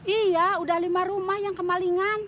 iya udah lima rumah yang kemalingan